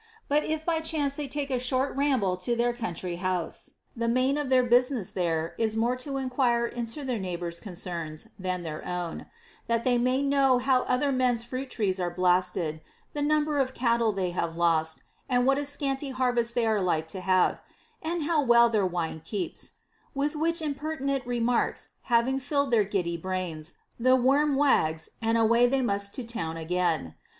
But if by chance they take a short ramble to their country house, the main of their business there is more to enquire into their neighbors' concerns than their own ; that they may know how other men's fruit trees are blasted, the number of cattle they have lost, and what a scanty harvest they are like to have, and how well their wine keeps ; with which impertinent remarks having filled their giddy brains, the worm wags, and away they must to the town again.